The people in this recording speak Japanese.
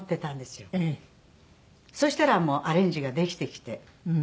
そしたらアレンジができてきて。